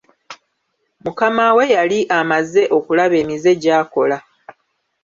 Mukama we yali amaze okulaba emize gy'akola.